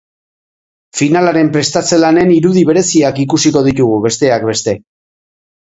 Finalaren prestatze-lanen irudi bereziak ikusiko ditugu, besteak beste.